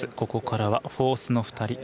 ここからはフォースの２人。